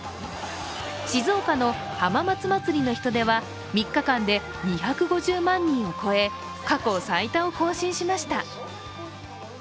静岡の浜松まつりの人出は３日間で２５０万人を超え過去最多を更新しました。